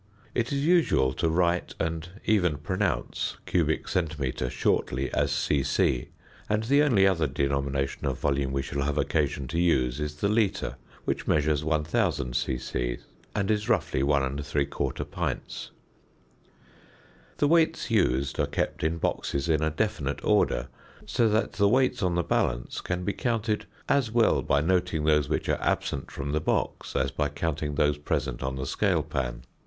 It is usual to write and even pronounce cubic centimetre shortly as c.c., and the only other denomination of volume we shall have occasion to use is the "litre," which measures 1000 c.c., and is roughly 1 3/4 pints. The weights used are kept in boxes in a definite order, so that the weights on the balance can be counted as well by noting those which are absent from the box as by counting those present on the scale pan.